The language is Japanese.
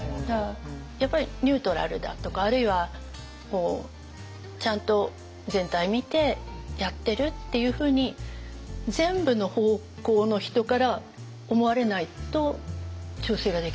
やっぱりニュートラルだとかあるいはちゃんと全体見てやってるっていうふうに全部の方向の人から思われないと調整ができない。